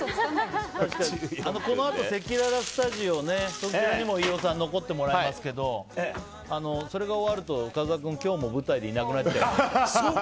このあとせきららスタジオにも飯尾さん、残ってもらいますけどそれが終わると深澤君今日も舞台でいなくなっちゃう。